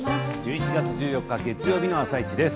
１１月１４日月曜日の「あさイチ」です。